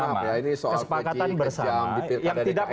saya pikir maaf ya ini soal keji kejam di pilkada dki